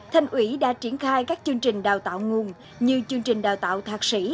thành ủy đã triển khai các chương trình đào tạo nguồn như chương trình đào tạo thạc sĩ